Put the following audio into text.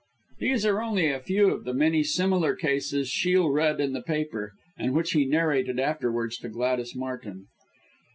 These are only a few of the many similar cases Shiel read in the paper, and which he narrated afterwards to Gladys Martin.